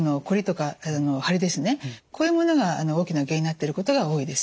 こういうものが大きな原因になってることが多いです。